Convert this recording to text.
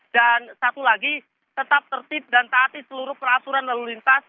dan satu lagi tetap tertib dan taati seluruh peraturan lalu lintas